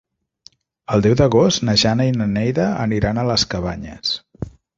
El deu d'agost na Jana i na Neida aniran a les Cabanyes.